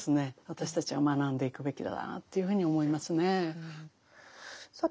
私たちは学んでいくべきだなというふうに思いますね。